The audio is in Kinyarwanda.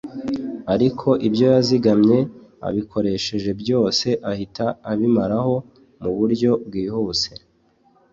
ariko ibyo yazigamye abikoresheje byose ahita abimaraho mu buryo bwihuse